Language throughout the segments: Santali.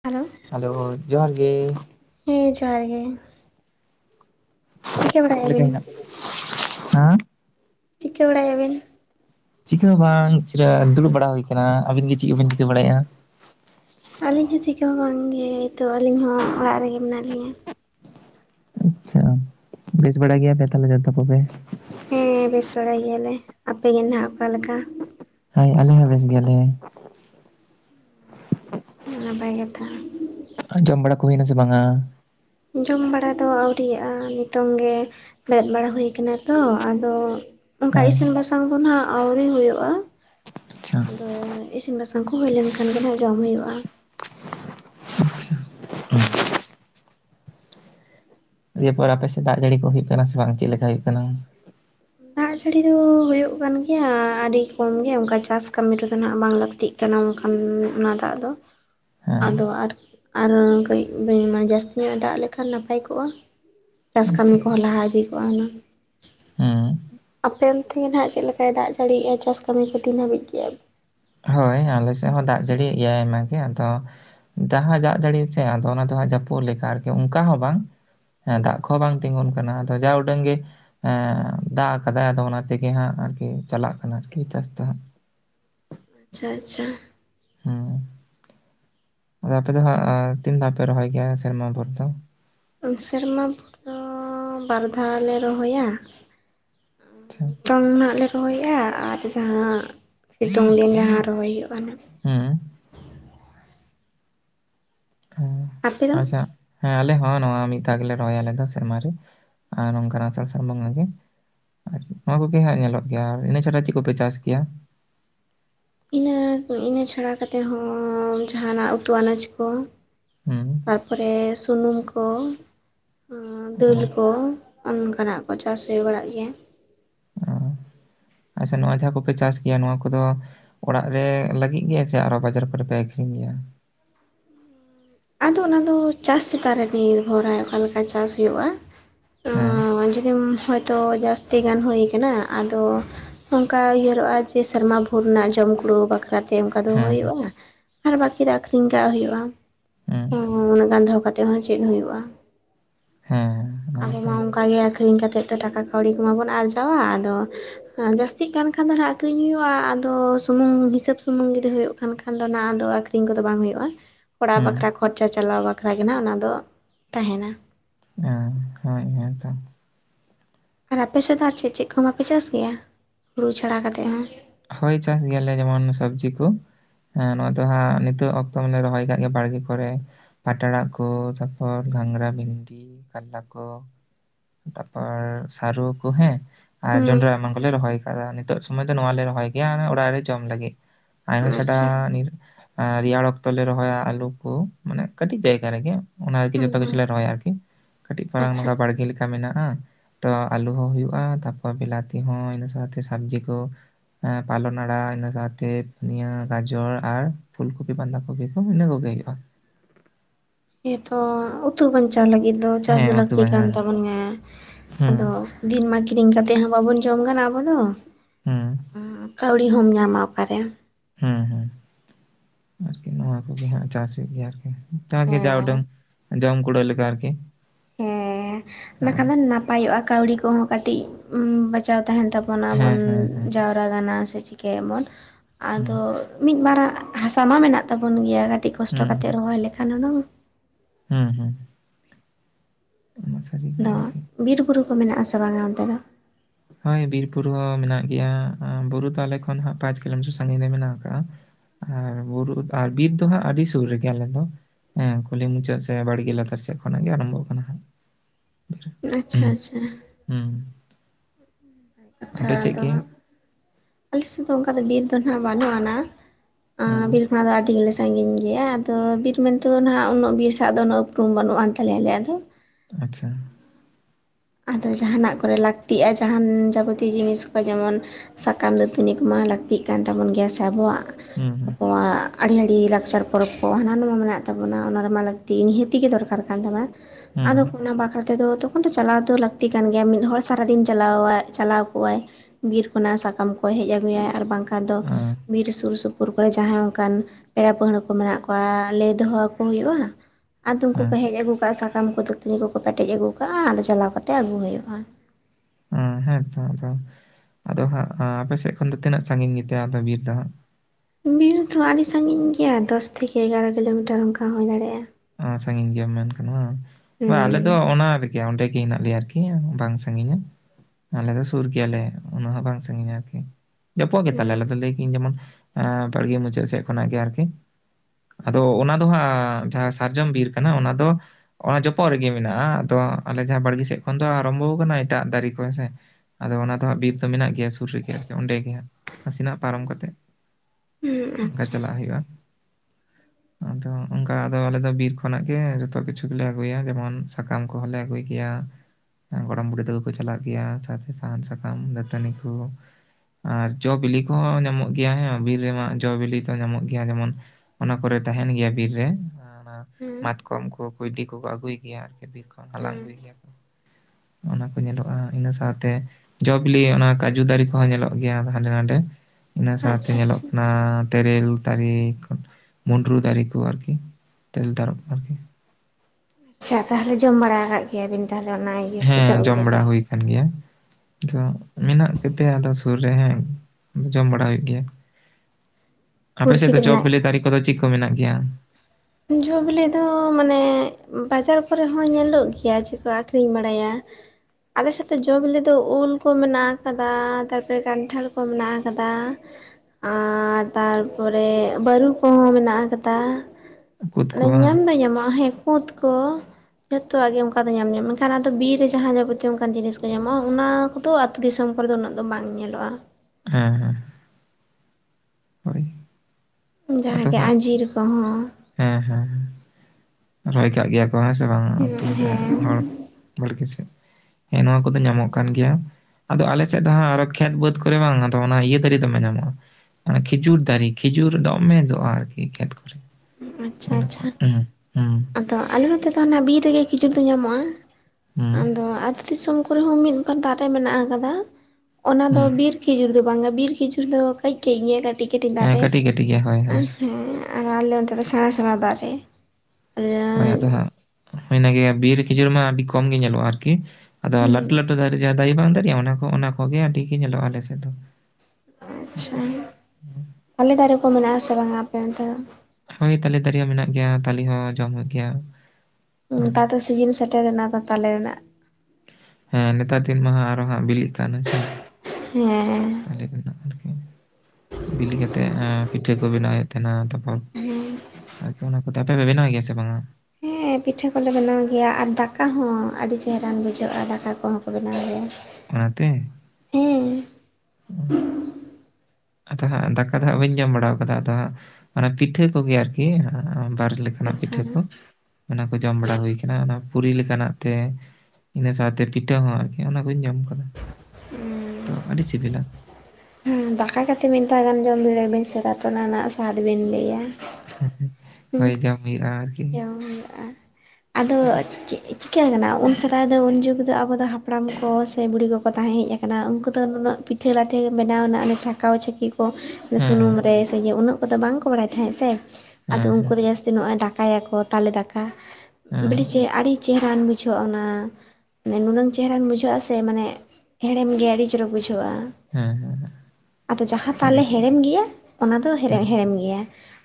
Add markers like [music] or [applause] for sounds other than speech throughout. ᱦᱮᱞᱳ ᱦᱟᱞᱳ ᱡᱚᱦᱟᱨ ᱜᱮ! ᱦᱮᱸ ᱡᱚᱦᱟᱨ ᱜᱮ᱾ ᱪᱤᱠᱟᱹ ᱪᱮᱫ ᱵᱟᱲᱟᱭᱮᱫᱼᱟ ᱞᱮᱠᱟ ᱵᱤᱱ ᱦᱮᱸᱱᱟᱜ, ᱦᱮᱸ? ᱪᱤᱠᱟᱹ ᱵᱟᱲᱟ ᱭᱟᱵᱤᱱ? ᱪᱤᱠᱟᱹ ᱦᱚᱸ ᱵᱟᱝ, ᱪᱤᱨᱟᱹ ᱫᱩᱲᱩᱵ ᱵᱟᱲᱟ ᱦᱩᱭ ᱠᱟᱱᱟ, ᱟᱹᱵᱤᱱ ᱜᱮ ᱪᱮᱜ ᱠᱚᱵᱤᱱ ᱪᱤᱠᱟᱹ ᱵᱟᱲᱟᱭᱮᱜᱼᱟ? ᱟᱹᱞᱤᱧ ᱦᱚᱸ ᱪᱤᱠᱟᱹ ᱦᱚᱸ ᱵᱟᱝ ᱜᱮ, ᱛᱚ ᱟᱹᱞᱤᱧ ᱦᱚᱸ ᱚᱲᱟᱜ ᱨᱮᱜᱮ ᱢᱮᱱᱟᱜ ᱞᱤᱧᱟ᱾ ᱟᱪᱪᱷᱟ! ᱵᱮᱥ ᱵᱟᱲᱟ ᱜᱮᱭᱟ ᱯᱮ ᱛᱟᱦᱮᱞᱮ ᱡᱚᱛᱚ ᱠᱚᱜᱮ? ᱦᱮᱸ ᱵᱮᱥ ᱵᱟᱲᱟ ᱜᱮᱭᱟ ᱞᱮ, ᱟᱯᱮ ᱜᱮ ᱱᱷᱟᱸᱜ ᱚᱠᱟ ᱞᱮᱠᱟ? ᱦᱮᱸ ᱟᱹᱞᱤᱧ ᱦᱚᱸ ᱵᱮᱥ ᱜᱮᱭᱟᱞᱮ᱾ ᱟᱸ ᱱᱟᱯᱟᱭ ᱠᱟᱛᱷᱟ, ᱟᱸ ᱡᱚᱢ ᱵᱟᱲᱟ ᱠᱚ ᱦᱩᱭ ᱮᱱᱟ ᱥᱮ ᱵᱟᱝᱼᱟᱸ? ᱡᱚᱢ ᱵᱟᱲᱟ ᱫᱚ ᱟᱹᱣᱨᱤᱭᱟᱜᱼᱟ ᱱᱤᱛᱚᱝ ᱜᱮ ᱵᱮᱨᱮᱫ ᱵᱟᱲᱟ ᱦᱩᱭ ᱭᱟᱠᱟᱱᱟ ᱛᱚ ᱟᱫᱚ ᱚᱱᱠᱟ ᱦᱮᱸ ᱤᱥᱤᱱ ᱵᱟᱥᱟᱝ ᱫᱚ ᱱᱷᱟᱸᱜ ᱟᱹᱣᱨᱤ ᱦᱩᱭᱩᱜᱼᱟ, ᱟᱪᱪᱷᱟ ᱟᱫᱚᱭ ᱤᱥᱤᱱ ᱵᱟᱥᱟᱝ ᱚᱱᱟ ᱠᱚ ᱦᱩᱭ ᱞᱮᱱᱠᱷᱟᱱ ᱜᱮ ᱱᱷᱟᱸᱜ ᱡᱚᱢ ᱦᱩᱭᱩᱜᱼᱟ᱾ ᱟᱪᱪᱷᱟ ᱤᱭᱟᱹ ᱯᱚᱨ ᱟᱯᱮᱥᱮᱫ ᱫᱟᱜ ᱡᱟᱹᱲᱤ ᱠᱚ ᱦᱩᱭᱩᱜ ᱠᱟᱱᱟ ᱥᱮ ᱵᱟᱝ, ᱪᱮᱫ ᱞᱮᱠᱟ ᱦᱩᱭᱩᱜ ᱠᱟᱱᱟ? ᱫᱟᱜ ᱡᱟᱹᱲᱤ ᱫᱚ ᱦᱩᱭᱩᱜ ᱠᱟᱱ ᱜᱮᱭᱟ ᱟᱹᱰᱤ ᱠᱚᱢ ᱜᱮ ᱚᱸᱠᱟ ᱪᱟᱥ ᱠᱟᱹᱢᱤ ᱨᱮᱫᱚ ᱱᱷᱟᱸᱜ ᱵᱟᱝ ᱞᱟᱹᱠᱛᱤᱜ ᱠᱟᱱᱟ ᱚᱸᱠᱟᱱ ᱚᱱᱟ ᱫᱟᱜ ᱫᱚ, ᱦᱮᱸ ᱟᱫᱚ ᱟᱨ ᱟᱨ ᱠᱟᱹᱡ ᱵᱟᱹᱭ ᱢᱟᱱᱮ ᱡᱟᱹᱥᱛᱤ ᱧᱚᱜ ᱮ ᱫᱟᱜ ᱞᱮᱠᱷᱟᱱ ᱱᱟᱯᱟᱭ ᱠᱚᱜᱼᱟ᱾ ᱪᱟᱥ ᱠᱟᱹᱢᱤ ᱟᱪᱪᱷᱟ ᱠᱚᱦᱚᱸ ᱞᱟᱦᱟ ᱤᱫᱤ ᱠᱚᱜᱼᱟ ᱦᱩᱱᱟᱹᱝ? ᱦᱮᱸ ᱟᱯᱮ ᱚᱱᱛᱮ ᱜᱮ ᱱᱷᱟᱸᱜ ᱪᱮᱫ ᱞᱮᱠᱟᱭ ᱫᱟᱜ ᱡᱟᱹᱲᱤᱭᱮᱜᱼᱟ, ᱪᱟᱥ ᱠᱟᱹᱢᱤ ᱠᱚ ᱛᱤᱱ ᱦᱟᱹᱵᱤᱡ ᱠᱮᱜᱼᱟ? ᱦᱮᱸ, ᱟᱞᱮ ᱥᱮᱜ ᱦᱚᱸ ᱫᱟᱜ ᱡᱟᱹᱲᱤ ᱭᱮᱜ ᱜᱮᱭᱟᱭ, ᱚᱱᱟ ᱜᱮ ᱟᱫᱚ ᱡᱟᱦᱟᱸ ᱡᱟᱜ ᱡᱟᱹᱲᱤ ᱟᱥᱮ ᱟᱫᱚ ᱚᱱᱟ ᱫᱚ ᱦᱟᱸᱜ ᱡᱟᱹᱯᱩᱫ ᱞᱮᱠᱟ ᱟᱨᱠᱤ ᱚᱸᱠᱟ ᱦᱚᱸ ᱵᱟᱝ, ᱦᱮᱸ ᱫᱟᱜ ᱠᱚᱦᱚᱸ ᱵᱟᱝ ᱛᱤᱸᱜᱩᱱ ᱠᱟᱱᱟ, ᱟᱫᱚ ᱡᱟ ᱩᱰᱟᱹᱝ ᱜᱮ ᱦᱮᱸ, ᱫᱟᱜ ᱟᱠᱟᱫᱟᱭ ᱟᱫᱚ ᱚᱱᱟ ᱛᱮᱜᱮ ᱦᱟᱸᱜ ᱟᱨᱠᱤ ᱪᱟᱞᱟᱜ ᱠᱟᱱᱟ ᱟᱨᱠᱤ ᱪᱟᱥ ᱫᱚ ᱦᱟᱸᱜ᱾ ᱟᱪᱪᱷᱟ ᱟᱪᱪᱷᱟ᱾ ᱦᱩᱸ, ᱟᱫᱚ ᱟᱯᱮ ᱫᱚ ᱦᱟᱸᱜ ᱮᱸ ᱛᱤᱱ ᱫᱷᱟᱣ ᱯᱮ ᱨᱚᱦᱚᱭ ᱜᱮᱭᱟ ᱥᱮᱨᱢᱟ ᱵᱷᱩᱨ ᱫᱚ? ᱩᱸ ᱥᱮᱨᱢᱟ ᱵᱷᱩᱨ ᱫᱚ ᱵᱟᱨ ᱫᱷᱟᱣ ᱞᱮ ᱨᱚᱦᱚᱭᱟ᱾ ᱟᱪᱪᱷᱟ᱾ ᱛᱚᱝ ᱱᱷᱟᱸᱜ ᱞᱮ ᱨᱚᱦᱚᱭᱮᱜᱼᱟ, ᱟᱨ ᱡᱟᱦᱟᱸ ᱥᱤᱛᱳᱝ ᱫᱤᱱ ᱡᱟᱦᱟᱸ ᱨᱚᱦᱚᱭ ᱦᱩᱭᱩᱜᱼᱟ ᱱᱷᱟᱸᱜ ᱾ ᱦᱩᱸ, ᱦᱩᱸ ᱟᱯᱮ ᱫᱚ ᱟᱡᱟᱜ, ᱦᱮᱸ ᱟᱞᱮᱦ ᱱᱚᱜᱼᱱᱚᱣᱟ ᱢᱤᱫ ᱫᱷᱟᱣ ᱜᱮᱞᱮ ᱨᱚᱦᱚᱭᱟ ᱟᱞᱮ ᱫᱚ ᱥᱮᱨᱢᱟ ᱨᱮ ᱟᱨ ᱱᱚᱝᱠᱟ ᱟᱥᱟᱲᱼᱥᱟᱱ ᱵᱚᱸᱜᱟ ᱜᱮ᱿ ᱟᱨ ᱱᱚᱣᱟ ᱠᱚᱜᱮ ᱦᱟᱸᱜ ᱧᱮᱞᱚᱜ ᱜᱮᱭᱟ ᱟᱨ ᱤᱱᱟᱹ ᱪᱷᱟᱰᱟ ᱪᱮᱜ ᱠᱚᱯᱮ ᱪᱟᱥ ᱠᱮᱭᱟ? ᱤᱱᱟᱹ ᱠᱚ ᱤᱱᱟᱹ ᱪᱷᱟᱲᱟ ᱠᱟᱛᱮ ᱦᱚᱸ ᱡᱟᱦᱟᱸᱱᱟᱜ ᱩᱛᱩ ᱟᱱᱟᱡᱽ ᱠᱚ ᱦᱩᱸ ᱯᱟᱨᱯᱚᱨᱮ ᱥᱩᱱᱩᱢ ᱠᱚ ᱦᱚᱸ ᱫᱟᱹᱞ ᱠᱚ ᱚᱱᱼᱚᱱᱠᱟᱱᱟᱜ ᱠᱚ ᱪᱟᱥ ᱦᱩᱭ ᱵᱟᱲᱟᱜ ᱜᱮᱭᱟ᱾ ᱚ ᱟᱪᱪᱷᱟ ᱱᱚᱣᱟ ᱡᱟᱦᱟᱸ ᱠᱚᱯᱮ ᱪᱟᱥ ᱜᱮᱭᱟ ᱱᱚᱶᱟ ᱠᱚᱫᱚ ᱚᱲᱟᱜ ᱨᱮ ᱞᱟᱜᱤᱜ ᱜᱮ ᱥᱮ ᱟᱨᱚ ᱵᱟᱡᱟᱨ ᱠᱚᱨᱮᱯᱮ ᱟᱠᱷᱨᱤᱧ ᱜᱮᱭᱟ? ᱟᱫᱚ ᱚᱱᱟ ᱫᱚ ᱪᱟᱥ ᱪᱮᱛᱟᱱ ᱨᱮ ᱱᱤᱨᱵᱷᱚᱨᱟᱭ ᱚᱠᱟ ᱞᱮᱠᱟ ᱪᱟᱥ ᱦᱳᱭᱳᱜᱼᱟ᱾ ᱚ ᱦᱮᱸ ᱡᱩᱫᱤᱢ ᱦᱚᱳᱭᱛᱚ ᱡᱟᱹᱥᱛᱤ ᱜᱟᱱ ᱦᱩᱭ ᱠᱟᱱᱟ ᱟᱫᱚ ᱚᱱᱠᱟ ᱩᱭᱦᱟᱹᱨᱚᱜᱼᱟ ᱡᱮ ᱥᱮᱨᱢᱟ ᱵᱷᱳᱨ ᱨᱮᱱᱟᱜ ᱡᱚᱢ ᱠᱩᱲᱟᱹᱣ ᱵᱟᱠᱷ ᱠᱟᱛᱮᱜ ᱚᱝᱠᱟ ᱦᱮᱸ ᱫᱚᱦᱚᱭ ᱦᱮᱸ ᱦᱳᱭᱳᱜᱼᱟ ᱟᱨ ᱵᱟᱹᱠᱤ ᱨᱮ ᱟᱹᱷᱨᱤᱧ ᱠᱟᱜ ᱦᱩᱭᱩᱜᱼᱟ᱾ ᱦᱩᱸ ᱩᱱᱟᱹᱜ ᱜᱟᱱ ᱫᱚᱦᱚᱸ ᱠᱟᱛᱮᱜ ᱦᱚᱸ ᱪᱮᱜ ᱦᱩᱭᱩᱜᱼᱟ᱾ ᱦᱩ ᱟᱵᱚ ᱢᱟ ᱚᱝᱠᱟᱜᱮ ᱟᱹᱷᱨᱤᱧ ᱠᱟᱛᱮᱜ ᱴᱟᱠᱟ ᱠᱟᱹᱣᱰᱤ ᱠᱚᱢᱟᱵᱚᱱ ᱟᱨᱡᱟᱣᱟ ᱟᱫᱚ ᱡᱟᱹᱥᱛᱤᱜ ᱠᱟᱱ ᱠᱷᱟᱱ ᱫᱚ ᱦᱟᱸᱜ ᱟᱹᱠᱷᱨᱤᱧ ᱦᱩᱭᱩᱜᱼᱟ ᱟᱫᱚ ᱥᱩᱢᱩᱝ ᱦᱤᱥᱟᱹᱵ ᱥᱩᱢᱩᱝ ᱡᱩᱫᱤ ᱦᱳᱭᱳᱜ ᱠᱟᱱ ᱟᱫᱚ ᱱᱟ ᱫᱚ ᱟᱫᱚ ᱟᱹᱠᱷᱨᱤᱧ ᱠᱚᱫᱚ ᱵᱟᱝ ᱦᱩᱭᱩᱜᱼᱟ᱾ ᱚᱲᱟᱜ ᱦᱩᱸ ᱵᱟᱠᱷᱨᱟ ᱠᱷᱚᱨᱪᱟ ᱪᱟᱞᱟᱣ ᱵᱟᱠᱷᱨᱟ ᱜᱮ ᱱᱟᱦᱜ ᱚᱱᱟ ᱫᱚ ᱛᱟᱦᱮᱱᱟ᱾ ᱦᱳᱭ ᱦᱳᱭ ᱟᱫᱚ᱾ ᱟᱨ ᱟᱯᱮᱥᱮᱜ ᱫᱚ ᱟᱨ ᱪᱮᱜ ᱪᱮᱜ ᱠᱚ ᱵᱟᱯᱮ ᱪᱟᱥ ᱜᱮᱭᱟ ᱦᱩᱲᱩ ᱪᱷᱟᱲᱟ ᱠᱟᱛᱮᱜ ᱦᱚᱸ? ᱦᱳᱭ ᱪᱟᱥ ᱜᱮᱭᱟᱞᱮ ᱡᱮᱢᱚᱱ ᱥᱚᱵᱽᱡᱤ ᱠᱚ᱾ ᱦᱮᱸ ᱱᱚᱣᱟ ᱫᱚ ᱦᱟᱸᱜ ᱱᱤᱛᱚᱜ ᱚᱠᱛᱚ ᱢᱟᱞᱮ ᱨᱚᱦᱚᱭ ᱠᱟᱜ ᱜᱮ ᱵᱟᱲᱜᱮ ᱠᱚᱨᱮ ᱯᱟᱴ ᱟᱲᱟᱜ ᱠᱚ ᱛᱟᱨᱯᱚᱨ ᱜᱷᱟᱝᱽᱨᱟ, ᱵᱷᱤᱱᱰᱤ ᱠᱟᱞᱞᱟ ᱠᱚ᱾ ᱛᱟᱨᱯᱚᱨ ᱥᱟᱨᱩ ᱠᱩᱦᱮᱸ ᱟᱨ ᱡᱚᱱᱰᱨᱟ ᱢᱟ ᱵᱟᱞᱮ ᱨᱚᱦᱚᱭ ᱠᱟᱜᱟ ᱱᱤᱛᱚᱜ ᱥᱚᱢᱚᱭ ᱫᱚ ᱱᱚᱣᱟᱞᱮ ᱨᱚᱦᱚᱭ ᱜᱮᱭᱟ ᱢᱟᱱᱮ ᱚᱲᱟᱜ ᱨᱮ ᱡᱚᱢ ᱞᱟᱹᱜᱤᱜ᱾ ᱟᱭᱢᱟ ᱦᱩᱸ ᱪᱷᱟᱰᱟ ᱟᱪᱪᱷᱟ ᱱᱤᱨᱩ ᱨᱮᱭᱟᱲ ᱚᱠᱛᱚ ᱞᱮ ᱨᱚᱦᱚᱭᱟ ᱟᱹᱞᱩ ᱠᱚ ᱢᱟᱱᱮ ᱠᱟᱹᱴᱤᱡ ᱡᱟᱭᱜᱟ ᱨᱮᱜᱮ᱾ ᱚᱱᱟ ᱟᱨᱠᱤ ᱡᱚᱛᱚ ᱦᱩᱸ ᱠᱤᱪᱷᱩ ᱞᱮ ᱨᱚᱦᱚᱭᱟ ᱟᱨᱠᱤ ᱠᱟᱹᱴᱤᱡ ᱯᱟᱨᱟᱝ ᱟᱪᱪᱷᱟ ᱱᱚᱝᱠᱟ ᱵᱟᱲᱜᱮ ᱞᱮᱠ ᱢᱮᱱᱟᱜᱼᱟ ᱛᱚ ᱟᱹᱞᱩ ᱦᱚᱸ ᱦᱩᱭᱩᱜᱼᱟ ᱛᱟᱯᱚᱨ ᱵᱮᱞᱟᱛᱤ ᱦᱚᱸ ᱤᱱᱟᱹ ᱥᱟᱶᱛᱮ ᱥᱟᱵᱽᱡᱤ ᱠᱚ ᱦᱮ ᱯᱟᱞᱚᱱ ᱟᱲᱟᱜ, ᱤᱱᱟᱹ ᱠᱷᱟᱛᱤᱨ ᱱᱤᱭᱟᱹ ᱜᱟᱡᱚᱨ ᱟᱨ ᱯᱷᱩᱞ ᱠᱚᱯᱤ, ᱵᱟᱸᱫᱷᱟ ᱠᱚᱯᱤ, ᱠᱩ ᱤᱱᱟᱹ ᱠᱚᱜᱮ ᱦᱩᱭᱩᱜᱭᱼᱟ ᱱᱤᱛᱚ ᱩᱛᱩ ᱵᱟᱧᱪᱟᱣ ᱞᱟᱹᱜᱤᱫ ᱫᱚ ᱪᱟᱥ ᱦᱮᱸ ᱫᱚ ᱩᱛᱩ ᱞᱟᱹᱠᱛᱤ ᱵᱟᱝ ᱠᱟᱱ ᱦᱮᱸ ᱛᱟᱵᱚᱱ ᱜᱮᱭᱟ ᱦᱩᱸ ᱟᱫᱚ ᱫᱤᱱ ᱢᱟ ᱠᱤᱨᱤᱧ ᱠᱟᱛᱮᱜ ᱦᱚᱸ ᱵᱟᱵᱚᱱ ᱡᱚᱢ ᱠᱟᱱᱟ ᱟᱵᱚ ᱫᱚ ᱦᱩᱸ ᱚᱱᱠᱟ [inaudible] ᱦᱚᱢ ᱧᱟᱢᱟ ᱚᱠᱟᱨᱮ ᱦᱩᱸ ᱦᱩᱸ ᱟᱨᱠᱤ ᱱᱚᱣᱟ ᱠᱚᱜᱤ ᱦᱟᱜ ᱪᱟᱥ ᱦᱩᱭᱩᱜ ᱜᱮᱭᱟ ᱟᱨᱠᱤ᱾ ᱚᱱᱠᱟ ᱜᱮ ᱡᱟ ᱦᱮᱸ ᱩᱰᱟᱝ ᱡᱚᱢ ᱠᱚᱲᱟᱹᱜ ᱞᱮᱠᱟ ᱟᱨᱠᱤ ᱦᱮᱸ ᱵᱟᱠᱷᱟᱱ ᱦᱮᱸ ᱫᱚ ᱱᱟᱯᱟᱭᱚᱜᱼᱟ ᱠᱟᱹᱣᱲᱤ ᱠᱚᱦᱚᱸ ᱠᱟᱹᱴᱤᱡ ᱵᱟᱪᱟᱣ ᱛᱟᱦᱮᱱ ᱛᱟᱵ ᱵᱚᱱ ᱦᱮᱸ ᱟᱵᱚᱱ ᱦᱮᱸ ᱦᱮᱸ ᱡᱟᱣᱨᱟ ᱠᱟᱱᱟ ᱥᱮ ᱪᱤᱠᱟᱭᱟᱵᱚᱱ ᱦᱩᱸ ᱟᱫᱚ ᱢᱤᱫᱵᱟᱨ ᱦᱟᱜ ᱦᱟᱥᱟ ᱢᱟ ᱢᱮᱱᱟᱜ ᱛᱟᱵᱚᱱ ᱜᱮᱭᱟ ᱠᱟᱹᱴᱤᱡ ᱠᱚᱥᱴᱚ ᱦᱩᱸ ᱦᱩᱸ ᱠᱟᱛᱮᱜ ᱨᱚᱦᱚᱭ ᱞᱮᱠᱷᱟᱱ ᱦᱩᱱᱟᱹᱝ ᱦᱩᱸ ᱦᱩᱸ ᱚᱱᱟ ᱥᱟᱹᱨᱤ ᱫᱟᱣᱟ ᱵᱤᱨ ᱵᱩᱨᱩ ᱠᱚ ᱢᱮᱱᱟᱜ-ᱟ ᱥᱮ ᱵᱟᱝᱟ ᱚᱱᱛᱮ ᱫᱚ? ᱦᱳᱭ ᱵᱤᱨ ᱵᱩᱨᱩ ᱦᱚᱸ ᱢᱮᱱᱟᱜ ᱜᱮᱭᱟ ᱵᱩᱨᱩ ᱛᱚ ᱟᱞᱮ ᱠᱷᱚᱱ ᱦᱟᱸᱜ ᱯᱟᱸᱪ ᱠᱤᱞᱳᱢᱤᱴᱟᱨ ᱥᱟᱹᱜᱤᱧ ᱨᱮ ᱢᱮᱱᱟᱜ ᱟᱠᱟᱜᱼᱟ᱾ ᱟᱨ ᱵᱩᱨᱩ ᱟᱨ ᱵᱤᱨ ᱫᱚ ᱦᱟᱸᱜ ᱟᱹᱰᱤ ᱥᱩᱨ ᱨᱮᱜᱮ ᱟᱞᱮ ᱫᱚ᱾ ᱦᱮᱸ ᱠᱩᱞᱤ ᱢᱩᱪᱟᱹᱜ ᱥᱮ ᱵᱟᱲᱜᱤ ᱞᱟᱛᱟᱨ ᱥᱮᱜ ᱠᱷᱚᱱᱟᱜ ᱜᱮ ᱟᱨᱟᱢᱵᱚᱜ ᱠᱟᱱᱟ᱾ ᱵᱤᱨ ᱟᱪᱪᱷᱟ ᱦᱩᱸ ᱟᱪᱪᱷᱟ᱾ ᱦᱩᱸ᱾ ᱠᱷᱟ ᱟᱯᱮ ᱥᱮᱫ ᱫᱚ ᱜᱮ ᱦᱟᱜ ᱟᱞᱮ ᱥᱮᱜ ᱫᱚ ᱚᱱᱠᱟ ᱫᱚ ᱵᱤᱨ ᱫᱚ ᱱᱟᱦᱜ ᱵᱟᱹᱱᱩᱜ ᱟᱱᱟ ᱟ ᱦᱩᱸ ᱵᱤᱨ ᱠᱷᱚᱱᱟᱜ ᱫᱚ ᱟᱰᱤ ᱜᱮᱞᱮ ᱥᱟᱜᱤᱧ ᱜᱮᱭᱟ ᱟᱫᱚ ᱵᱤᱨ ᱢᱮᱱᱛᱮᱫᱚ ᱱᱟᱦᱟᱜ ᱩᱱᱟᱹᱜ ᱵᱤᱨ ᱥᱟᱜ ᱫᱚ ᱩᱱᱟᱹᱜ ᱩᱯᱨᱩᱢ ᱵᱟᱹᱱᱩᱜ ᱟᱱ ᱛᱟᱞᱮᱭᱟ ᱟᱞᱮ ᱭᱟᱜ ᱫᱚ᱾ ᱟᱪᱪᱷᱟ᱾ ᱟᱫᱚ ᱡᱟᱦᱟᱱᱟᱜ ᱠᱚᱨᱮ ᱞᱟᱹᱠᱛᱤᱜᱼᱟ ᱡᱟᱦᱟᱱ ᱡᱟᱵᱚᱛᱤᱭᱚ ᱡᱤᱱᱤᱥ ᱠᱚ ᱡᱮᱢᱚᱱ ᱥᱟᱠᱟᱢ ᱫᱟᱹᱛᱟᱱᱤ ᱠᱚᱢᱟ ᱞᱟᱹᱠᱛᱤᱜ ᱠᱟᱱ ᱛᱟᱵᱚᱱ ᱜᱮᱭᱟ ᱥᱮ ᱟᱵᱚᱣᱟᱜ ᱦᱩᱸ ᱦᱩᱸ ᱟᱵᱚᱣᱟᱜ ᱟᱹᱰᱤ ᱟᱹᱰᱤ ᱞᱟᱠᱪᱟᱨ ᱯᱚᱨᱚᱵᱽ ᱠᱚ ᱦᱟᱱᱟ ᱦᱟᱣᱟ ᱢᱮᱱᱟᱜ ᱛᱟᱵᱚᱱᱟ ᱚᱱᱟ ᱨᱮᱢᱟ ᱞᱟᱹᱠᱛᱤ ᱱᱤᱦᱟᱹᱛᱤ ᱜᱮ ᱫᱚᱨᱠᱟᱨ ᱠᱟᱱ ᱛᱟᱵᱚᱱᱟ᱾ ᱟᱫᱚ ᱦᱩᱸ ᱚᱱᱟ ᱵᱟᱠᱷᱨᱟ ᱛᱮᱫᱚ ᱛᱚᱠᱷᱚᱱ ᱫᱚ ᱪᱟᱞᱟᱣ ᱫᱚ ᱞᱟᱠᱛᱤ ᱠᱟᱱ ᱜᱮᱭᱟ ᱢᱤᱫ ᱦᱚᱲ ᱥᱟᱨᱟᱫᱤᱱ ᱪᱟᱞᱟᱣᱟᱭ ᱪᱟᱞᱟᱣ ᱠᱚᱣᱟᱭ, ᱵᱤᱨ ᱠᱷᱚᱱᱟᱜ ᱥᱟᱠᱟᱢ ᱠᱚᱭ ᱦᱮᱡ ᱟᱹᱜᱩᱭᱟ ᱟᱨ ᱵᱟᱝᱠᱷᱟᱱ ᱫᱚ, ᱟᱸ ᱵᱤᱨ ᱥᱩᱨ ᱥᱩ ᱯᱩᱨ ᱠᱚᱨᱮ ᱡᱟᱦᱟᱸᱭ ᱚᱱᱠᱟᱱ, ᱯᱮᱲᱟ ᱯᱟᱹᱦᱬᱟᱹ ᱠᱚ ᱢᱮᱱᱟᱜ ᱠᱚᱣᱟ ᱞᱟᱹᱭ ᱫᱚᱦᱚᱣᱟᱠᱚ ᱦᱩᱭᱩᱜᱼᱟ᱾ ᱟᱫᱚ ᱩᱝᱠᱩ ᱦᱮᱸ ᱠᱚ ᱦᱮᱡ ᱟᱜᱩ ᱠᱟᱜᱼᱟ ᱥᱟᱠᱟᱢ ᱠᱚ, ᱫᱟᱹᱛᱟᱹᱱᱤ ᱠᱚᱠᱚ ᱯᱮᱴᱮᱡ ᱟᱜᱩ ᱠᱟᱜᱼᱟ, ᱟᱫᱚ ᱪᱟᱞᱟᱣ ᱠᱟᱛᱮ ᱟᱹᱜᱩ ᱦᱩᱭᱩᱜᱼᱟ᱾ ᱦᱮᱸ ᱛᱚ ᱟᱫᱚ, ᱟᱫᱚ ᱦᱟᱸᱜ ᱟᱯᱮ ᱥᱮᱜ ᱠᱷᱚᱱ ᱫᱚ ᱛᱤᱱᱟᱹᱜ ᱥᱟᱺᱜᱤᱧ ᱜᱮᱛᱮ ᱟᱫᱚ ᱵᱤᱨ ᱫᱚ ᱦᱟᱸᱜ? ᱵᱤᱨ ᱫᱚ ᱦᱟᱸᱜ ᱟᱹᱰᱤ ᱥᱟᱺᱜᱤᱧ ᱜᱮᱭᱟ ᱫᱚᱥ ᱛᱷᱮᱠᱮ ᱮᱜᱟᱨᱚ ᱠᱤᱞᱳᱢᱤᱴᱟᱨ ᱚᱝᱠᱟ ᱦᱩᱭ ᱫᱟᱲᱮᱭᱟᱜᱼᱟ᱾ ᱚᱸ ᱥᱟᱺᱜᱤᱧ ᱜᱮᱭᱟᱢ ᱢᱮᱱ ᱠᱟᱱᱟ ᱵᱟᱝ, ᱵᱟ ᱟᱞᱮ ᱫᱚ ᱦᱩᱸ ᱚᱱᱟ ᱨᱮᱜᱮ ᱚᱸᱰᱮ ᱜᱮ ᱦᱮᱱᱟᱜ ᱞᱮᱭᱟ ᱟᱨᱠᱤ ᱵᱟᱝ ᱥᱟᱺᱜᱤᱧᱟ᱾ ᱟᱞᱮ ᱫᱚ ᱥᱩᱨ ᱜᱮᱭᱟᱞᱮ ᱩᱱᱟᱹᱜ ᱦᱚᱸ ᱵᱟᱝ ᱥᱟᱺᱜᱤᱧᱟ ᱟᱨᱠᱤ᱾ ᱡᱚᱯᱚᱜ ᱦᱩᱸ ᱜᱮᱛᱟᱞᱮ ᱟᱞᱮ ᱫᱚ ᱞᱟᱹᱭ ᱠᱤᱧ ᱡᱮᱢᱚᱱ ᱵᱟᱲᱜᱮ ᱢᱩᱪᱟᱹᱜ ᱥᱮᱜ ᱠᱷᱚᱱᱟᱜ ᱜᱮ ᱟᱨᱠᱤ ᱠᱚ, ᱟᱫᱚ ᱚᱱᱟ ᱫᱚ ᱦᱟᱸᱜ ᱡᱟᱦᱟᱸ ᱥᱟᱨᱡᱚᱢ ᱵᱤᱨ ᱠᱟᱱᱟ ᱚᱱᱟ ᱫᱚ ᱚᱱᱟ ᱡᱚᱯᱚᱜ ᱨᱮᱜᱤ ᱢᱮᱱᱟᱜᱼᱟ ᱟᱫᱚ ᱟᱞᱮ ᱡᱟᱦᱟᱸ ᱵᱟᱲᱜᱤ ᱥᱮᱜ ᱠᱷᱚᱱ ᱫᱚ ᱟᱨᱟᱢᱵᱚ ᱠᱟᱱᱟ ᱮᱴᱟᱜ ᱫᱟᱨᱤ ᱠᱚ ᱦᱮᱸ ᱥᱮ᱾ ᱟᱫᱚ ᱚᱱᱟ ᱫᱚ ᱦᱟᱸᱜ ᱵᱤᱨ ᱫᱚ ᱢᱮᱱᱟᱜ ᱜᱮᱭᱟ ᱥᱩᱨ ᱨᱮᱜᱮ ᱟᱨᱠᱤ ᱚᱸᱰᱮ ᱜᱮ ᱦᱟᱸᱜ ᱱᱟᱥᱤᱱᱟᱜ ᱯᱟᱨᱚᱢ ᱠᱟᱛᱮᱜ ᱦᱩᱸ ᱚᱝᱠᱟ ᱟᱪᱪᱷᱟ ᱪᱟᱞᱟᱜ ᱟᱪᱪᱷᱟ ᱦᱩᱭᱩᱜᱼᱟ, ᱟᱫᱚ ᱚᱱᱴᱝᱠᱟ ᱟᱫᱚ ᱟᱞᱮ ᱫᱚ ᱵᱤᱨ ᱠᱷᱚᱱᱟᱜ ᱜᱮ ᱡᱷᱚᱛᱚ ᱠᱤᱪᱷᱩ ᱜᱮᱞᱮ ᱟᱹᱜᱩᱭᱟ ᱡᱮᱢᱚᱱ ᱥᱟᱠᱟᱢ ᱠᱚᱦᱚᱸᱞᱮ ᱟᱹᱜᱩᱭ ᱜᱮᱭᱟ, ᱮᱸ ᱜᱚᱲᱚᱢ ᱵᱩᱰᱷᱤ ᱛᱟᱠᱩ ᱠᱩ ᱪᱟᱞᱟᱜ ᱜᱮᱭᱟ ᱥᱟᱶᱛᱮ ᱥᱟᱦᱟᱱ, ᱥᱟᱠᱟᱢ, ᱫᱟᱹᱛᱟᱹᱱᱤ ᱠᱩ ᱟᱨ ᱡᱚ ᱵᱤᱞᱤ ᱠᱚᱦᱚᱸ ᱧᱟᱢᱚᱜ ᱜᱮᱭᱟ ᱦᱮᱸ ᱵᱤᱨ ᱨᱮᱢᱟ ᱡᱚ ᱵᱤᱞᱤ ᱛᱚ ᱧᱟᱢᱚᱜ ᱜᱮᱭᱟ ᱡᱮᱢᱚᱱ, ᱚᱱᱟ ᱠᱚᱨᱮ ᱛᱟᱦᱮᱸᱱ ᱜᱮᱭᱟ ᱵᱤᱨ ᱨᱮ ᱦᱮᱸ ᱦᱩᱸ ᱚᱱᱟᱢᱟᱛᱠᱚᱢ ᱠᱚ, ᱠᱩᱭᱰᱤ ᱠᱚᱠᱚ ᱟᱹᱜᱩᱭ ᱜᱮᱭᱟ ᱟᱨᱠᱤ ᱵᱤᱨ ᱠᱷᱚᱱ ᱦᱟᱞᱟᱝ ᱦᱩᱸ ᱟᱹᱜᱩᱭ ᱜᱮᱭᱟ ᱠᱚ᱾ ᱚᱱᱟ ᱠᱚ ᱧᱮᱞᱚᱜᱼᱟ ᱤᱱᱟᱹ ᱥᱟᱶᱛᱮ ᱡᱚ ᱵᱤᱞᱤ ᱚᱱᱟ ᱠᱟᱡᱩ ᱫᱟᱨᱤ ᱠᱚᱦᱚᱸ ᱧᱮᱞᱚᱜ ᱜᱮᱭᱟ ᱦᱟᱸᱰᱮ ᱱᱟᱸᱰᱮ᱾ ᱤᱱᱟᱹ ᱥᱟᱶᱛᱮ ᱟᱪᱪᱷᱟ ᱧᱮᱞᱚᱜ ᱟᱪᱪᱷᱟ ᱠᱟᱱᱟ ᱛᱮᱨᱮᱞ ᱫᱟᱨᱤ ᱠᱩ, ᱢᱩᱱᱰᱨᱩ ᱫᱟᱨᱤ ᱠᱩ ᱟᱨᱠᱤ᱾ ᱛᱮᱨᱮᱞ ᱛᱟᱨᱚᱵ ᱟᱨᱠᱤ᱾ ᱟᱪᱪᱷᱟ ᱛᱟᱦᱚᱞᱮ ᱡᱚᱢ ᱵᱟᱲᱟ ᱟᱠᱟᱜ ᱜᱮᱭᱟ ᱵᱤᱱ ᱛᱟᱦᱚᱞᱮ ᱚᱱᱟ ᱤᱭᱟᱹ ᱠᱚ ᱡᱚ ᱦᱮᱸ ᱡᱚᱢ ᱵᱤᱞᱤ ᱠᱚ ᱵᱟᱲᱟ ᱦᱩᱭ ᱠᱟᱱ ᱜᱮᱭᱟ᱾ ᱟᱫᱚ ᱢᱮᱱᱟᱜ ᱠᱟᱛᱮ ᱟᱫᱚ ᱥᱩᱨ ᱨᱮ ᱦᱮᱸ, ᱡᱚᱢ ᱵᱟᱲᱟ ᱦᱩᱭᱩᱜ ᱜᱮᱭᱟ᱾ ᱟᱯᱮ ᱥᱮᱫ ᱯᱩᱨᱠᱤᱛ ᱫᱚ ᱡᱚ ᱨᱮᱱᱟᱜ ᱵᱤᱞᱤ ᱫᱟᱨᱤ ᱠᱚᱫᱚ ᱪᱮᱜ ᱠᱚ ᱢᱮᱱᱟᱜ ᱜᱮᱭᱟ? ᱡᱚ ᱵᱤᱞᱤ ᱫᱚ ᱢᱟᱱᱮ ᱵᱟᱡᱟᱨ ᱠᱚᱨᱮ ᱦᱚᱸ ᱧᱮᱞᱚᱜ ᱜᱮᱭᱟ ᱡᱮᱠᱚ ᱟᱠᱷᱨᱤᱧ ᱵᱟᱲᱟᱭᱟ, ᱟᱞᱮ ᱥᱮᱫ ᱡᱚ ᱵᱤᱞᱤ ᱫᱚ ᱩᱞ ᱠᱚ ᱢᱮᱱᱟᱜ ᱟᱠᱟᱫᱟ, ᱛᱟᱨᱯᱚᱨᱮ ᱠᱟᱱᱴᱷᱟᱲ ᱠᱚ ᱢᱮᱱᱟᱜ ᱟᱠᱟᱫᱟ, ᱟᱨ ᱛᱟᱨᱯᱚᱨᱮ ᱵᱟᱹᱨᱩ ᱠᱚᱦᱚᱸ ᱢᱮᱱᱟᱜ ᱟᱠᱟᱫᱟ᱾ ᱠᱩᱫ ᱚᱱᱮ ᱠᱚ ᱵᱟᱝ ᱧᱟᱢ ᱫᱚ ᱧᱟᱢᱚᱜᱼᱟ ᱦᱮᱸ ᱠᱩᱫᱽ ᱠᱚ, ᱡᱷᱚᱛᱚᱣᱟᱜ ᱜᱮ ᱚᱝᱠᱟ ᱫᱚ ᱧᱟᱢ ᱧᱟᱢᱟ ᱢᱮᱱᱠᱷᱟᱱ ᱟᱫᱚ ᱵᱤᱨ ᱨᱮ ᱡᱟᱦᱟᱸ ᱡᱟᱵᱚᱛᱤᱭᱚ ᱚᱝᱠᱟᱱ ᱡᱤᱱᱤᱥ ᱠᱚ ᱧᱟᱢᱚᱜᱼᱟ ᱚᱱᱟ ᱠᱚᱫᱚ ᱟ ᱛᱩ ᱫᱤᱥᱚᱢ ᱠᱚᱨᱮ ᱫᱚ ᱩᱱᱟᱹᱜ ᱫᱚ ᱵᱟᱝ ᱧᱮᱞᱚᱜᱼᱟ᱾ ᱦᱮᱸ ᱦᱮᱸ᱾ ᱦᱳᱭ᱾ ᱡᱟᱦᱟᱸ ᱟᱫᱚ ᱜᱮ ᱦᱟᱸᱜ ᱟᱸᱡᱤᱨ ᱠᱚᱦᱚᱸ᱾ ᱦᱮᱸ ᱦᱮᱸ ᱦᱮᱸ, ᱨᱚᱦᱚᱭ ᱠᱟᱜ ᱜᱮᱭᱟ ᱠᱚ ᱦᱮᱸ ᱥᱮ ᱵᱟᱝ ᱟᱹᱛᱩ ᱡᱟᱦᱟᱸᱭ ᱦᱮᱸ ᱦᱚᱲ ᱵᱟᱲᱜᱤ ᱥᱮᱫ, ᱦᱮᱸ ᱱᱚᱣᱟ ᱠᱚᱫᱚ ᱧᱟᱢᱚᱜ ᱠᱟᱱ ᱜᱮᱭᱟ᱾ ᱟᱫᱚ ᱟᱞᱮ ᱥᱮᱫ ᱫᱚ ᱦᱟᱸᱜ ᱟᱨᱚ ᱠᱷᱮᱛ ᱵᱟᱹᱫᱽ ᱠᱚᱨᱮ ᱵᱟᱝ ᱟᱫᱚ ᱚᱱᱟ ᱤᱭᱟᱹ ᱫᱟᱹᱨᱤ ᱫᱚᱢᱮ ᱧᱟᱢᱚᱜᱼᱟ, ᱚᱱᱟ ᱠᱷᱤᱡᱩᱨ ᱫᱟᱹᱨᱤ ᱠᱷᱤᱡᱩᱨ ᱫᱚᱢᱮ ᱡᱚᱜᱼᱟ ᱟᱨᱠᱤ ᱠᱷᱮᱛ ᱠᱚᱨᱮ᱾ ᱟᱪᱪᱷᱟ ᱦᱩᱸ ᱟᱪᱪᱷᱟ ᱦᱩᱸ ᱟᱫᱚ ᱟᱞᱮ ᱱᱚᱛᱮ ᱫᱚ ᱱᱟᱦᱟᱜ ᱵᱤᱨ ᱨᱮᱜᱮ ᱠᱷᱤᱡᱩᱨ ᱫᱚ ᱧᱟᱢᱚᱜᱼᱟ, ᱦᱩᱸ ᱟᱫᱚ ᱟᱛᱩ ᱫᱤᱥᱚᱢ ᱠᱚᱨᱮ ᱦᱚᱸ ᱢᱤᱫᱵᱟᱨ ᱫᱟᱨᱮ ᱢᱮᱱᱟᱜ-ᱟ ᱠᱟᱫᱟ, ᱚᱱᱟ ᱫᱚ ᱦᱩᱸ ᱵᱤᱨ ᱠᱷᱤᱡᱩᱨ ᱫᱚ ᱵᱟᱝᱟ ᱵᱤᱨ ᱠᱷᱤᱡᱩᱨ ᱫᱚ ᱠᱟᱹᱡ ᱠᱟᱹᱡ ᱜᱮᱭᱟ ᱠᱟᱴᱤᱡ ᱠᱟᱴᱤᱡ ᱦᱮᱸ ᱫᱟᱨᱮ, ᱠᱟᱹᱴᱤᱡ ᱠᱟᱹᱴᱤᱡ ᱜᱮᱭᱟ ᱦᱳᱭ ᱟᱨ ᱦᱳᱭ ᱦᱮᱸ ᱟᱨ ᱟᱞᱮ ᱚᱱᱛᱮ ᱫᱚ ᱥᱮᱬᱟ ᱥᱮᱬᱟ ᱫᱟᱨᱮ᱾ ᱦᱳᱭ ᱟᱫᱚ ᱦᱟᱸᱜ ᱤᱱᱟᱹᱜᱮ ᱵᱤᱨ ᱠᱷᱤᱡᱩᱨ ᱢᱟ ᱟᱹᱰᱤ ᱠᱚᱢ ᱜᱮ ᱧᱮᱞᱚᱜ-ᱟ ᱟᱨᱠᱤ ᱟᱫᱚ ᱞᱟᱴᱩ ᱞᱟᱴᱩ ᱫᱟᱨᱮ ᱡᱟᱦᱟᱸ ᱫᱟᱭᱤ ᱵᱟᱝ ᱫᱟᱨᱤᱜ-ᱟ ᱚᱱᱟ ᱠᱚ ᱚᱱᱟ ᱠᱚᱜᱮ ᱟᱹᱰᱤ ᱜᱮ ᱧᱮᱞᱚᱜ-ᱟ ᱟᱞᱮ ᱥᱮᱫ ᱫᱚ᱾ ᱟᱪᱪᱷᱟ ᱛᱟᱞᱮ ᱫᱟᱨᱮ ᱠᱚ ᱢᱮᱱᱟᱜ-ᱟ ᱥᱮ ᱵᱟᱝ ᱟᱯᱮ ᱚᱱᱛᱮ ᱫᱚ? ᱦᱳᱭ ᱛᱟᱞᱮ ᱫᱟᱨᱮ ᱦᱚᱸ ᱢᱮᱱᱟᱜ ᱜᱮᱭᱟ ᱛᱟᱞᱤ ᱦᱚᱸ ᱡᱚᱢ ᱦᱩᱭᱩᱜ ᱜᱮᱭᱟ᱾ ᱦᱮᱸ ᱱᱮᱛᱟᱨ ᱫᱚ ᱥᱤᱡᱤᱱ ᱥᱮᱴᱮᱨᱮᱱᱟ ᱛᱚ ᱛᱟᱞᱮ ᱨᱮᱱᱟᱜ? ᱦᱮᱸ ᱱᱮᱛᱟᱨ ᱫᱤᱱ ᱢᱟ ᱦᱟᱸᱜ ᱟᱨᱚ ᱦᱟᱸᱜ ᱵᱤᱞᱤᱜ ᱠᱟᱱ ᱦᱮᱸᱥᱮ᱾ ᱦᱮᱸ ᱛᱟᱦᱚᱞᱮ ᱟᱨᱠᱤ ᱵᱤᱞᱤ ᱠᱟᱛᱮᱫ ᱯᱤᱴᱷᱟᱹ ᱠᱚ ᱵᱮᱱᱟᱣᱮᱫ ᱛᱟᱦᱮᱱᱟ ᱛᱟᱯᱚᱨ ᱦᱮᱸ ᱟᱨᱠᱤ ᱚᱱᱟ ᱠᱚᱫᱚ ᱟᱯᱮ ᱵᱮᱱᱟᱣ ᱜᱮᱭᱟ ᱥᱮ ᱵᱟᱝ-ᱟ? ᱦᱮᱸ ᱯᱤᱴᱷᱟᱹ ᱠᱚᱞᱮ ᱵᱮᱱᱟᱣ ᱜᱮᱭᱟ ᱟᱨ ᱫᱟᱠᱟ ᱦᱚᱸ ᱟᱹᱰᱤ ᱪᱮᱦᱨᱟᱱ ᱵᱩᱡᱷᱟᱹᱜᱼᱟ ᱫᱟᱠᱟ ᱠᱚᱦᱚᱸ ᱠᱚ ᱵᱮᱱᱟᱣ ᱜᱮᱭᱟ᱾ ᱚᱱᱟᱛᱮ ᱦᱮᱸ ᱚᱸ ᱟᱫᱚ ᱦᱟᱸᱜ ᱫᱟᱠᱟ ᱫᱚ ᱦᱟᱸᱜ ᱵᱟᱹᱧ ᱡᱚᱢ ᱵᱟᱲᱟ ᱟᱠᱟᱫᱟ ᱟᱫᱚ ᱦᱟᱸᱜ ᱚᱱᱟ ᱯᱤᱴᱷᱟᱹ ᱠᱚᱜᱮ ᱟᱨᱠᱤ ᱵᱟᱨ ᱞᱮᱠᱟᱱᱟᱜ ᱟᱪᱪᱷᱟ ᱯᱤᱴᱷᱟᱹ ᱠᱚ ᱚᱱᱟ ᱠᱚ ᱡᱚᱢ ᱵᱟᱲᱟ ᱦᱩᱭ ᱟᱠᱟᱱᱟ ᱚᱱᱟ ᱯᱩᱨᱤ ᱞᱮᱠᱟᱱᱟᱜ ᱛᱮ ᱤᱱᱟᱹ ᱥᱟᱶᱛᱮ ᱯᱤᱴᱷᱟᱹ ᱦᱚᱸ ᱟᱨᱠᱤ ᱚᱱᱟ ᱠᱚᱧ ᱡᱚᱢ ᱟᱠᱟᱫᱟ᱾ ᱛᱚ ᱟᱹᱰᱤ ᱥᱤᱵᱤᱞᱟ᱾ ᱦᱮᱸ ᱫᱟᱠᱟ ᱠᱟᱛᱮᱫ ᱢᱤᱫᱷᱟᱣ ᱜᱟᱱ ᱡᱚᱢ ᱵᱷᱤᱲᱟᱹᱵᱤᱱ ᱥᱮ ᱛᱟᱨᱯᱚᱨ ᱚᱱᱟ ᱨᱮᱱᱟᱜ ᱥᱟᱫ ᱵᱤᱱ ᱞᱟᱹᱭᱟ? ᱦᱮᱸ ᱦᱚᱭ ᱡᱟᱢ ᱦᱳᱭᱳᱜ-ᱟ ᱟᱨᱠᱤ᱾ [unintelligible] ᱪᱮᱫ ᱪᱤᱠᱟᱹ ᱟᱠᱟᱱᱟ ᱩᱱ ᱥᱮᱫᱟᱭ ᱫᱚ ᱩᱱ ᱡᱩᱜᱽ ᱫᱚ ᱟᱵᱚ ᱦᱟᱯᱲᱟᱢ ᱠᱚ ᱥᱮ ᱵᱩᱲᱤ ᱠᱚᱠᱚ ᱛᱟᱦᱮᱸ ᱦᱮᱡ ᱟᱠᱟᱱᱟ ᱩᱱᱠᱩ ᱫᱚ ᱱᱩᱱᱟᱹᱜ ᱯᱤᱴᱷᱟᱹ ᱞᱟᱴᱷᱮ ᱵᱮᱱᱟᱣ ᱟᱱᱟᱜ ᱚᱱᱟ ᱪᱷᱟᱠᱟᱣ ᱪᱟᱹᱠᱤ ᱠᱚ ᱥᱩᱱᱩᱢ ᱦᱮᱸ ᱨᱮ ᱥᱮ ᱩᱱᱟᱹᱜ ᱠᱚᱫᱚ ᱵᱟᱝᱠᱚ ᱵᱟᱲᱟᱭ ᱛᱟᱦᱮᱸᱜ ᱥᱮ ᱟᱫᱚ ᱦᱮᱸ ᱦᱮᱸ ᱩᱱᱠᱩ ᱦᱮᱸ ᱫᱚ ᱡᱟᱹᱥᱛᱤ ᱱᱚᱜ-ᱚᱭ ᱫᱟᱠᱟᱭᱟᱠᱚ ᱛᱟᱞᱮ ᱫᱟᱠᱟ᱾ ᱦᱮᱸ ᱵᱚᱞᱮ ᱪᱮᱫ ᱟᱹᱰᱤ ᱪᱮᱦᱨᱟᱱ ᱵᱩᱡᱷᱟᱹᱜ-ᱟ ᱚᱱᱟ᱾ ᱢᱟᱱᱮ ᱱᱩᱱᱟᱹᱝ ᱪᱮᱦᱨᱟᱧ ᱵᱩᱡᱷᱟᱹᱜ-ᱟ ᱥᱮ ᱢᱟᱱᱮ ᱦᱮᱲᱮᱢ ᱜᱮ ᱟᱹᱰᱤ ᱪᱚᱨᱚᱠ ᱵᱩᱡᱷᱟᱹᱜ-ᱟ᱾ ᱦᱮᱸ ᱦᱮᱸ ᱟᱫᱚ ᱡᱟᱦᱟᱸ ᱛᱟᱞᱮ ᱥᱟᱹᱨᱤᱜᱮ ᱦᱮᱲᱮᱢ ᱜᱮᱭᱟ ᱚᱱᱟ ᱫᱚ ᱦᱮ ᱦᱮᱸ ᱦᱮᱲᱮᱢ ᱜᱮᱭᱟ᱾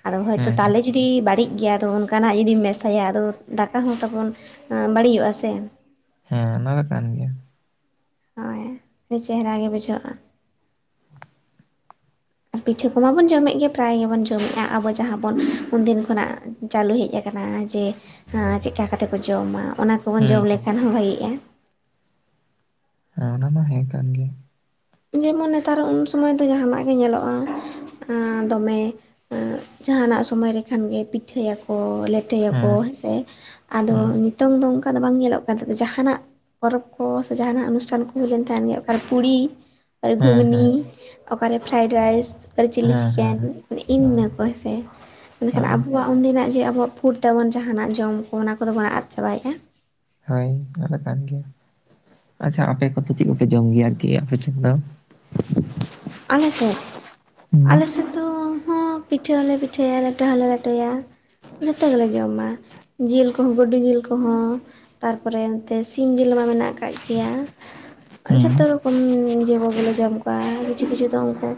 ᱟᱫᱚ ᱦᱚᱭᱛᱚ ᱦᱮᱸ ᱦᱮᱸ ᱛᱟᱞᱮ ᱡᱩᱫᱤ ᱵᱟᱹᱲᱤᱡ ᱜᱮᱭᱟ ᱟᱫᱚ ᱚᱱᱠᱟᱱᱟᱜ ᱡᱩᱫᱤᱢ ᱢᱮᱥᱟᱭᱟ ᱟᱫᱚ ᱫᱟ ᱠᱟ ᱛᱟᱵᱚᱱ ᱦᱚᱸ ᱵᱟᱹᱲᱤᱡᱚᱜᱼᱟ ᱥᱮ? ᱦᱮᱸ ᱚᱱᱟ ᱫᱚ ᱠᱟᱱ ᱜᱮᱭᱟ᱾ ᱦᱳᱭ ᱟᱹᱰᱤ ᱪᱮᱦᱨᱟ ᱜᱮ ᱵᱩᱡᱷᱟᱹᱜ-ᱟ᱾ [inaudible] ᱯᱤᱴᱷᱟᱹ ᱠᱚᱢᱟᱵᱚᱱ ᱡᱚᱢᱮᱫ ᱜᱮ ᱯᱨᱟᱭ ᱜᱮᱵᱚᱱ ᱡᱚᱢᱮᱫ-ᱟ ᱟᱵᱚ ᱡᱟᱦᱟᱸ ᱵᱚᱱ ᱩᱱᱫᱤᱱ ᱠᱷᱚᱱᱟᱜ ᱪᱟᱹᱞᱩ ᱦᱮᱡ ᱟᱠᱟᱱᱟ ᱡᱮ ᱪᱮᱫ ᱞᱮᱠᱟ ᱠᱟᱛᱮ ᱠᱚ ᱡᱚᱢᱟ ᱚᱱᱟ ᱠᱚᱵᱚᱱ ᱡᱚᱢ ᱦᱩᱸ ᱦᱩᱸ ᱞᱮᱠᱷᱟᱱ ᱦᱚᱸ ᱵᱷᱟᱜᱮ-ᱟ᱾ ᱦᱮᱸ ᱚᱱᱟ ᱢᱟ ᱦᱮᱸ ᱠᱟᱱ ᱜᱮ᱾ ᱤᱭᱟᱹᱢᱟ ᱱᱮᱛᱟᱨ ᱩᱱ ᱥᱚᱢᱚᱭ ᱫᱚ ᱡᱟᱦᱟᱱᱟᱜ ᱜᱮ ᱧᱮᱞᱚᱜ-ᱟ ᱫᱚᱢᱮ ᱡᱟᱦᱟᱱᱟᱜ ᱥᱚᱢᱚᱭ ᱨᱮᱠᱷᱟᱱᱜᱮ ᱯᱤᱴᱷᱟᱹᱭᱟᱠᱚ ᱞᱮᱴᱚᱭᱟᱠᱚ ᱦᱮᱸ ᱥᱮ ᱟᱫᱚ ᱦᱮᱸ ᱱᱤᱛᱚᱝ ᱫᱚ ᱱᱚᱝᱠᱟ ᱚᱠᱟ ᱫᱚ ᱵᱟᱝ ᱧᱮᱞᱚᱜ ᱠᱟᱱ ᱛᱟᱦᱮᱸ ᱫᱚ ᱡᱟᱦᱟᱱᱟᱜ ᱯᱚᱨᱚᱵᱽ ᱠᱚ ᱥᱮ ᱡᱟᱦᱟᱱᱟᱜ ᱚᱱᱩᱥᱴᱷᱟᱱ ᱠᱚ ᱦᱩᱭ ᱞᱮᱱᱠᱷᱟᱱ ᱜᱮ ᱚᱠᱟᱨᱮ ᱯᱩᱲᱤ ᱚᱠᱟ ᱨᱮ ᱦᱮᱸ ᱜᱷᱩᱸᱜᱱᱤ ᱦᱮᱸ ᱚᱠᱟᱨᱮ ᱯᱷᱨᱟᱭᱰᱟ ᱨᱟᱭᱥ ᱚᱠᱟ ᱨᱮ ᱪᱤᱞᱤ ᱦᱮᱸ ᱦᱮᱸ ᱪᱤᱠᱮᱱ ᱢᱟᱱᱮ ᱤᱧᱟᱹ ᱠᱚ ᱦᱮᱸ ᱥᱮ ᱢᱮᱱᱠᱷᱟᱱ ᱦᱳᱭ ᱟᱵᱚᱣᱟᱜ ᱩᱱᱫᱤᱱᱟᱜ ᱡᱮ ᱟᱵᱚᱣᱟᱜ ᱯᱷᱩᱰ ᱛᱟᱵᱚᱱ ᱡᱟᱦᱟᱱᱟᱜ ᱡᱚᱢ ᱠᱚ ᱚᱱᱟ ᱠᱚᱫᱚ ᱵᱚᱱ ᱟᱫ ᱪᱟᱵᱟᱭᱮᱫᱼᱟ᱾ ᱦᱳᱭ ᱟᱫᱚ ᱟᱠᱟᱱ ᱜᱮᱭᱟ, ᱟᱪᱪᱷᱟ ᱟᱯᱮ ᱠᱚᱫᱚ ᱪᱮᱫ ᱠᱚᱯᱮ ᱡᱚᱢ ᱜᱮᱭᱟ ᱟᱨᱠᱤ ᱟᱯᱮ ᱥᱮᱫ ᱫᱚ? ᱟᱞᱮ ᱥᱮᱫ? ᱦᱩᱸ ᱟᱞᱮ ᱥᱮᱫ ᱫᱚ ᱦᱚᱸ ᱯᱤᱴᱷᱟᱹ ᱦᱚᱸᱞᱮ ᱯᱤᱴᱷᱟᱹᱭᱟ ᱞᱮᱴᱚ ᱦᱚᱸᱞᱮ ᱞᱮᱴᱚᱭᱟ᱾ ᱡᱚᱛᱚ ᱜᱮᱞᱮ ᱡᱚᱢᱟ ᱡᱤᱞ ᱠᱚᱦᱚᱸ ᱜᱩᱰᱩ ᱡᱤᱞ ᱠᱚᱦᱚᱸᱼᱼ ᱛᱟᱨᱯᱚᱨᱮ ᱱᱚᱛᱮ ᱥᱤᱢ ᱡᱤᱞ ᱢᱟ ᱢᱮᱱᱟᱜ ᱠᱟᱜ ᱜᱮᱭᱟ ᱦᱩᱸ ᱡᱷᱚᱛᱚ ᱨᱚᱠᱚᱢ ᱤᱭᱟᱹ ᱠᱚᱜᱮᱞᱮ ᱡᱚᱢ ᱠᱚᱣᱟ ᱠᱤᱪᱷᱩ ᱠᱤᱪᱷᱩ ᱫᱚ ᱩᱱᱠᱩ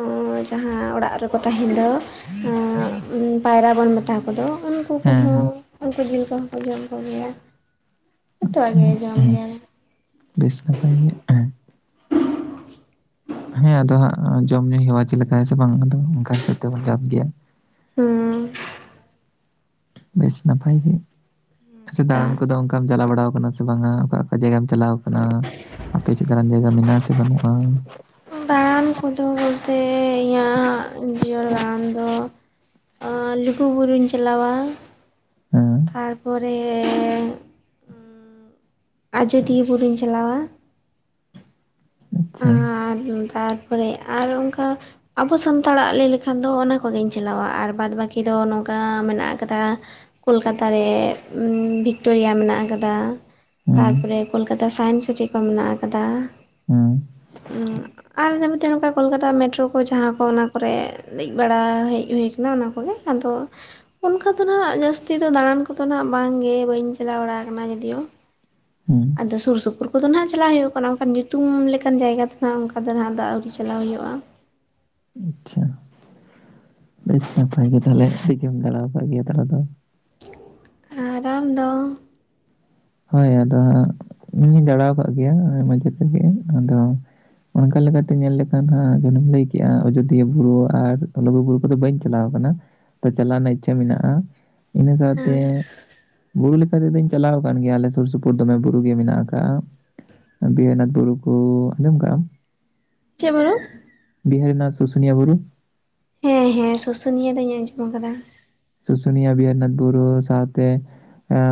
ᱚᱻ ᱡᱟᱦᱟᱸ ᱚᱲᱟᱜ ᱨᱮᱠᱚ ᱛᱟᱦᱮᱱ ᱫᱚ ᱯᱟᱭᱨᱟ ᱵᱚᱱ ᱢᱮᱛᱟ ᱠᱚᱫᱚ ᱩᱱᱠᱩ ᱦᱚᱸ ᱦᱮᱸ ᱦᱮᱸ ᱩᱱᱠᱩ ᱡᱤᱞ ᱠᱚᱦᱚᱸ ᱠᱚ ᱡᱚᱢ ᱠᱚᱜᱮᱭᱟ ᱡᱚᱛᱚᱣᱟᱜ ᱟᱪᱪᱷᱟ ᱜᱮ ᱡᱚᱢ ᱦᱮᱸ ᱜᱮᱭᱟ ᱞᱮ ᱵᱮᱥ ᱜᱮ ᱵᱟᱧ [inaudible] ᱦᱮᱸ ᱟᱫᱚ ᱦᱟᱸᱜ ᱡᱚᱢ ᱧᱩ ᱦᱮᱣᱟ ᱪᱮᱫ ᱞᱮᱠᱟ ᱦᱮᱸ ᱥᱮ ᱵᱟᱝ ᱟᱫᱚ ᱚᱱᱠᱟ ᱦᱤᱥᱟᱹᱵ ᱛᱮᱵᱚᱱ ᱡᱚᱢ ᱤᱫᱤᱭᱟ᱾ ᱦᱩᱸ ᱵᱮᱥ ᱱᱟᱯᱟᱭ ᱜᱮ ᱟᱪᱪᱷᱟ ᱫᱟᱬᱟᱱ ᱠᱚ ᱫᱚ ᱚᱱᱠᱟᱼᱼ ᱠᱟᱢ ᱪᱟᱞᱟᱣ ᱵᱟᱲᱟ ᱠᱟᱱᱟ ᱥᱮ ᱵᱟᱝᱟ ᱚᱠᱟ ᱚᱠᱟ ᱡᱟᱭᱜᱟᱢ ᱪᱟᱞᱟᱣ ᱠᱟᱱᱟ᱾ ᱟᱯᱮ ᱪᱮ ᱠᱟᱱᱟᱜ ᱡᱟᱭᱜᱟ ᱢᱮᱱᱟᱜᱼᱟ ᱥᱮ ᱵᱟᱹᱱᱩᱜᱼᱟ? ᱫᱟᱬᱟᱱ ᱠᱚᱫᱚ ᱵᱚᱞᱛᱮ, ᱤᱧᱟᱹᱜ ᱡᱤᱭᱚᱱ ᱫᱟᱬᱟᱱ ᱫᱚᱼᱼ ᱞᱩᱜᱩᱵᱩᱨᱩᱧ ᱪᱟᱹᱞᱟᱣᱟ ᱦᱮᱸ ᱛᱟᱨᱯᱚᱨᱮᱼᱼ ᱟᱡᱚᱫᱤᱭᱟᱹ ᱵᱩᱨᱩᱧ ᱪᱟᱹᱞᱟᱣᱟᱼᱼ ᱟᱪᱪᱷᱟ ᱟᱨ ᱛᱟᱨ ᱯᱚᱨᱮ ᱟᱨ ᱚᱱᱠᱟᱼᱼ ᱟᱵᱚ ᱥᱟᱱᱛᱟᱲᱟᱜ ᱞᱟᱹᱭ ᱞᱮᱠᱷᱟᱱ ᱫᱚ ᱚᱱᱟ ᱠᱚᱜᱤᱧ ᱪᱟᱞᱟᱣᱟ ᱟᱨ ᱵᱟᱫᱽ ᱵᱟᱹᱠᱤ ᱫᱚ ᱱᱚᱝᱠᱟ ᱢᱮᱱᱟᱜ ᱠᱟᱫᱟ᱾ ᱠᱳᱞᱠᱟᱛᱟ ᱨᱮ ᱵᱷᱤᱠᱴᱳᱨᱤᱭᱟ ᱢᱮᱱᱟᱜ ᱠᱟᱫᱟ᱾ ᱦᱮᱸ ᱛᱟᱨ ᱯᱚᱨᱮ ᱠᱳᱞᱠᱟᱛᱟ ᱥᱟᱭᱮᱱᱥ ᱥᱤᱴᱤ ᱠᱚ ᱢᱮᱱᱟᱜ ᱟᱠᱟᱫᱟ᱾ ᱦᱩᱸ ᱩᱸ [inaudible] ᱟᱨ ᱢᱮᱱᱛᱮ ᱱᱚᱝᱠᱟ ᱠᱳᱞᱠᱟᱛᱟ ᱢᱮᱴᱨᱳ ᱠᱚ ᱡᱟᱦᱟᱸ ᱠᱚ ᱚᱱᱟ ᱠᱚᱨᱮ ᱫᱮᱡ ᱵᱟᱲᱟ ᱦᱮᱡ ᱦᱩᱭ ᱠᱟᱱᱟ ᱚᱱᱟ ᱠᱚᱜᱮ᱾ ᱟᱫᱚᱼᱼ ᱚᱱᱠᱟ ᱫᱚ ᱦᱟᱜ ᱡᱟᱹᱥᱛᱤ ᱫᱚ ᱫᱟᱬᱟᱱ ᱠᱚᱫᱚ ᱱᱟᱜ ᱵᱟᱝᱜᱮ ᱵᱟᱹᱧ ᱪᱟᱞᱟᱣ ᱵᱟᱲᱟ ᱠᱟᱱᱟ ᱡᱚᱫᱤᱭᱳ ᱦᱮᱸ ᱟᱹᱫᱚ ᱥᱩᱨ ᱥᱩᱯᱩᱨ ᱠᱚᱫᱚ ᱱᱟᱜ ᱪᱟᱞᱟᱜ ᱦᱩᱭᱩᱜ ᱠᱟᱱᱟ ᱚᱱᱠᱟᱱ ᱧᱩᱛᱩᱢ ᱞᱮᱠᱟᱼᱼ ᱞᱮᱠᱟᱱ ᱡᱟᱭᱜᱟ ᱫᱚ ᱱᱟᱦᱟᱜ ᱚᱱᱠᱟ ᱫᱚ ᱱᱟᱦᱟᱜ ᱫᱟᱜ ᱟᱹᱜᱩ ᱪᱟᱞᱟᱣ ᱦᱩᱭᱩᱜᱼᱟ᱾ ᱟᱪᱪᱷᱟ ᱵᱮᱥ ᱱᱟᱯᱟᱭ ᱜᱮ ᱛᱟᱦᱚᱞᱮ ᱟᱹᱰᱤ ᱜᱮᱢ ᱫᱟᱲᱟᱣ ᱟᱠᱟᱫ ᱜᱮᱭᱟ ᱛᱟᱦᱚᱞᱮ ᱛᱚ ᱟᱨ ᱟᱢ ᱫᱚ ᱦᱳᱭ ᱟᱹᱫᱚ ᱦᱟᱸᱜ ᱤᱧ ᱦᱚᱧ ᱫᱟᱲᱟᱣ ᱠᱟᱫ ᱜᱮᱭᱟ ᱢᱟᱡᱷᱮ ᱛᱮᱜᱮ ᱟᱹᱫᱚᱼᱼ ᱚᱱᱠᱟ ᱞᱮᱠᱟᱛᱮ ᱧᱮᱞ ᱞᱮᱠᱷᱟᱱ ᱫᱚ ᱦᱟᱸᱜ ᱡᱮᱢᱚᱱ ᱮᱢ ᱞᱟᱹᱭ ᱠᱮᱜᱼᱟ ᱟᱡᱚᱫᱤᱭᱟ ᱵᱩᱨᱩ ᱟᱨ ᱞᱩᱜᱩ ᱵᱩᱨᱩᱼᱼ ᱟᱫᱚ ᱵᱟᱹᱧ ᱪᱟᱞᱟᱣ ᱠᱟᱱᱟ, ᱛᱚ ᱪᱟᱞᱟᱣ ᱨᱮᱱᱟᱜ ᱤᱪᱪᱷᱟ ᱢᱮᱱᱟᱜᱼᱟ᱾ ᱤᱱᱟ ᱥᱟᱶᱛᱮ ᱵᱩᱨᱩ ᱞᱮᱠᱟ ᱛᱮᱫᱚᱧ ᱪᱟᱹᱞᱟᱣᱼᱼ ᱠᱟᱱ ᱜᱮᱭᱟ ᱞᱮ ᱥᱩᱨ ᱥᱩᱯᱩᱨ ᱫᱚᱢᱮ ᱵᱩᱨᱩ ᱜᱮ ᱢᱮᱱᱟᱜ ᱠᱟᱜᱼᱟ᱾ ᱫᱤᱭᱮ ᱚᱱᱟ ᱵᱩᱨᱩ ᱠᱚ ᱟᱸᱡᱚᱢ ᱠᱟᱜᱼᱟᱢ? ᱪᱮᱫ ᱵᱩᱨᱩ ᱵᱤᱦᱟᱨᱤᱱᱟ ᱥᱩᱥᱩᱱᱤᱭᱟ ᱵᱩᱨᱩ ᱦᱮᱸ ᱦᱮᱸ ᱥᱩᱥᱩᱱᱤᱭᱟ ᱫᱚᱧ ᱟᱸᱡᱚᱢ ᱟᱠᱟᱫᱟ᱾ ᱥᱩᱥᱩᱱᱤᱭᱟ ᱵᱤᱦᱟᱨᱤᱱᱟᱛᱷ ᱵᱩᱨᱩ ᱥᱟᱶᱛᱮ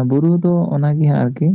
ᱵᱩᱨᱩ ᱫᱚ ᱚᱱᱟᱜᱮ ᱦᱟᱸᱜ ᱟᱨᱠᱤ